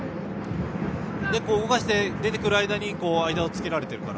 動かして出てくる間に間をつけられているから。